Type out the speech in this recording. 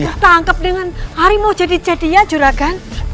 ketangkep dengan harimau jadi jadian juragan